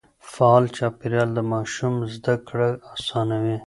فعال چاپېريال د ماشوم زده کړه آسانوي.